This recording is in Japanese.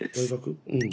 うん。